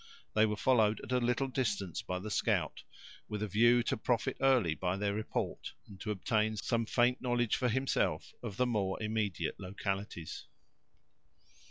They were followed at a little distance by the scout, with a view to profit early by their report, and to obtain some faint knowledge for himself of the more immediate localities.